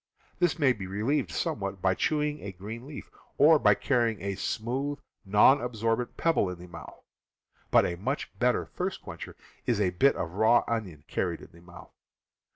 This may be relieved somewhat by chewing a green leaf, or by carrying a smooth, non absorbent pebble in the mouth; but a much better thirst quencher is a bit of raw onion carried in the mouth.